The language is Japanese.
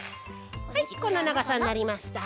はいこんなながさになりました。